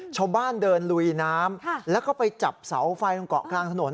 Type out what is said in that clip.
ชาวบ้านเดินลุยน้ำแล้วก็ไปจับเสาไฟตรงเกาะกลางถนน